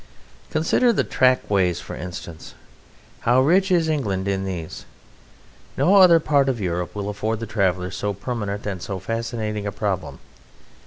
Consider the track ways, for instance. How rich is England in these! No other part of Europe will afford the traveller so permanent and so fascinating a problem.